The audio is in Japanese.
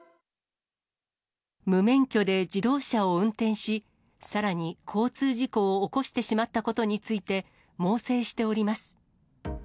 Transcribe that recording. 無免許で自動車を運転し、さらに交通事故を起こしてしまったことについて、猛省しております。